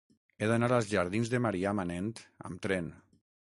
He d'anar als jardins de Marià Manent amb tren.